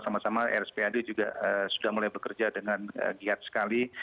sama sama rspad juga sudah mulai bekerja dengan giat sekali